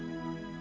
aku sudah berjalan